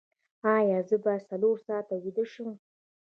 ایا زه باید څلور ساعته ویده شم؟